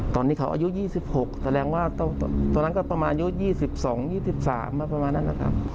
ตอนนี้เขาอายุ๒๖แสดงว่าตอนนั้นก็ประมาณอายุ๒๒๓ประมาณนั้นนะครับ